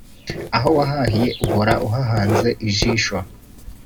aho wahahiye uhora uhahanze ijisho